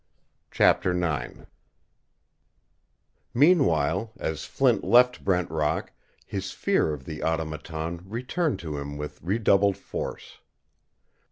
CHAPTER IX Meanwhile, as Flint left Brent Rock, his fear of the Automaton returned to him with redoubled force.